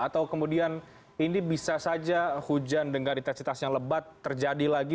atau kemudian ini bisa saja hujan dengan intensitas yang lebat terjadi lagi